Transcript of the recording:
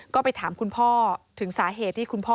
ก็ไปถามคุณพ่อถึงสาเหตุที่คุณพ่อ